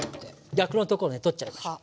ガクのところね取っちゃいましょう。